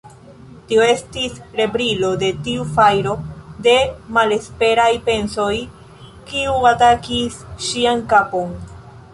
Tio estis rebrilo de tiu fajro de malesperaj pensoj, kiu atakis ŝian kapon.